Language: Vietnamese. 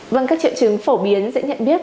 vâng các triệu chứng phổ biến dễ nhận biết